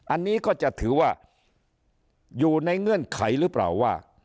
อันนี้ก็จะถือว่าอยู่ในเงื่อนไขหรือเปล่าว่า